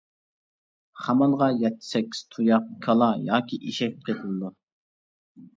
خامانغا يەتتە-سەككىز تۇياق كالا ياكى ئېشەك قېتىلىدۇ.